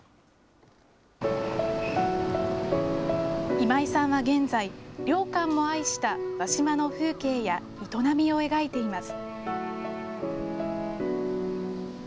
今井さんは現在、良寛も愛した和島の風景や営みを描いています。